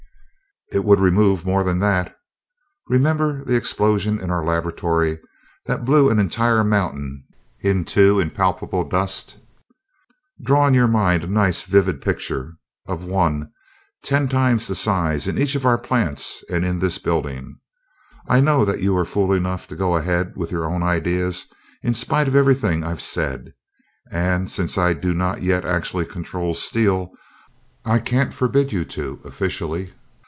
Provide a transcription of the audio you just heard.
"It would remove more than that. Remember the explosion in our laboratory, that blew an entire mountain into impalpable dust? Draw in your mind a nice, vivid picture of one ten times the size in each of our plants and in this building. I know that you are fool enough to go ahead with your own ideas, in spite of everything I've said; and, since I do not yet actually control Steel, I can't forbid you to, officially.